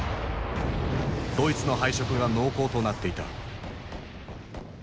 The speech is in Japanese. ドイツの敗色が濃厚となっていた。